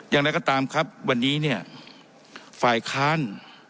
อย่างไรก็ตามครับวันนี้เนี่ยฝ่ายค้าน